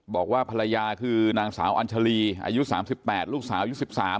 บอกว่าภรรยาคือนางสาวอัญชาลีอายุ๓๘ลูกสาวยุค๑๓